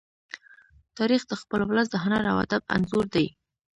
تاریخ د خپل ولس د هنر او ادب انځور دی.